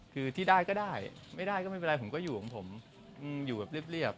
คือที่ได้ก็ได้ไม่ได้ก็ไม่เป็นไรผมก็อยู่ของผมอยู่แบบเรียบ